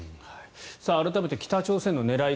改めて北朝鮮の狙い